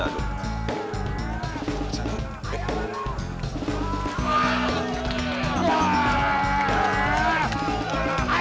tak ada apasana